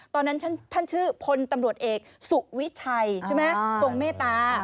ตอนนั้นท่านชื่อพลตำรวจเอกสุวิชัยใช่ไหมทรงเมตตา